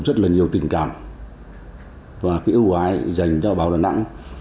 đã ghi nhận được rất nhiều tình cảm và ưu ái dành cho báo đà nẵng